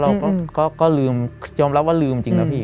เราก็ลืมยอมรับว่าลืมจริงนะพี่